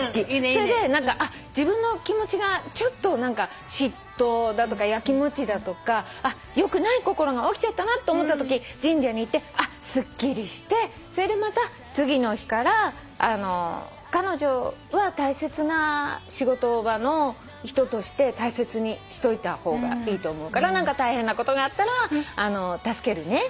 それで自分の気持ちがちょっと何か嫉妬だとか焼きもちだとかよくない心が起きちゃったなって思ったとき神社に行ってすっきりしてそれでまた次の日から彼女は大切な仕事場の人として大切にしといた方がいいと思うから何か大変なことがあったら助けるね。